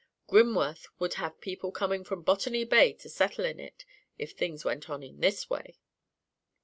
Grimworth would have people coming from Botany Bay to settle in it, if things went on in this way.